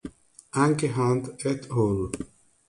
Anche Hunt et al.